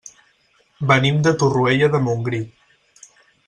Venim de Torroella de Montgrí.